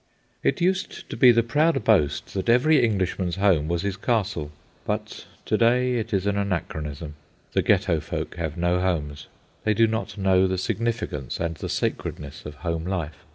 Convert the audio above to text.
It used to be the proud boast that every Englishman's home was his castle. But to day it is an anachronism. The Ghetto folk have no homes. They do not know the significance and the sacredness of home life.